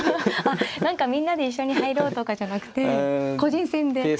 あっ何かみんなで一緒に入ろうとかじゃなくて個人戦で。